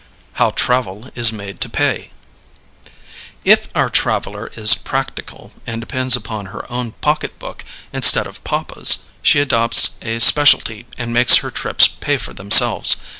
HOW TRAVEL IS MADE TO PAY. If our traveler is practical and depends upon her own pocketbook instead of papa's she adopts a specialty and makes her trips pay for themselves.